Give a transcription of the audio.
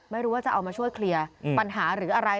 ไม่รู้ว่าจะเอามาช่วยเคลียร์ปัญหาหรืออะไร